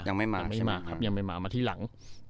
ยังไม่มามาที่หลัง